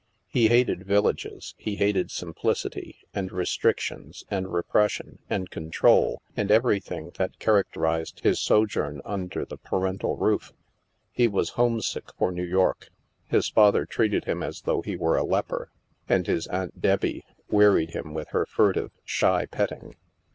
He hated villages, he hated simplicity, and restrictions, and repression, and control, and everything that characterized his sojourn under the parental roof. He was homesick for New York. His father treated him as though he were a leper, and his Aunt Debbie wearied him with her furtive shy petting.